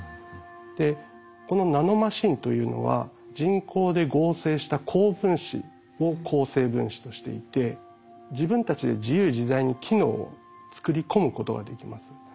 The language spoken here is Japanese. でこのナノマシンというのは人工で合成した高分子を構成分子としていて自分たちで自由自在に機能を作り込むことができます。